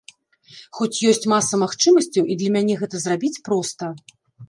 Хоць ёсць маса магчымасцяў і для мяне гэта зрабіць проста.